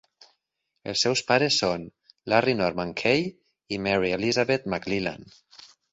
Els seus pares són Larry Norman Kaye i Mary Elizabeth McLellan.